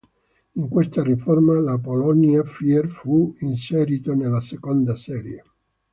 In questa riforma l'Apolonia Fier fu inserito nella seconda serie.